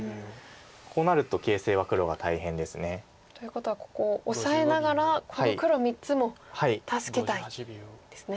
こうなると形勢は黒が大変です。ということはここオサえながらこの黒３つも助けたいんですね。